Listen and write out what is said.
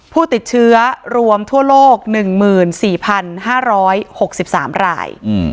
ผู้ติดเชื้อรวมทั่วโลก๑๔๕๖๓ราย